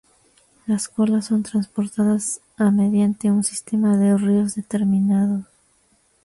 Las colas son transportadas a mediante un sistema de ríos determinados.